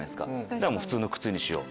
だから普通の靴にしよう。